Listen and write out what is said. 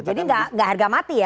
jadi gak harga mati ya